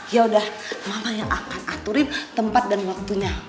yaudah mama yang akan aturin tempat dan waktunya